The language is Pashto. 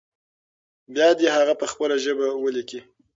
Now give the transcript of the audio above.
بيا دې هغه په خپله ژبه ولیکي.